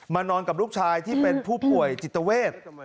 นอนกับลูกชายที่เป็นผู้ป่วยจิตเวท